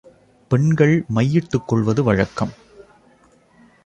பெண்கள் மை இட்டுக் கொள்வது வழக்கம்.